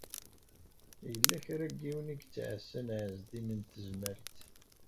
Yella kra n yiwen i yettɛassan Ɛezdin n Tezmalt.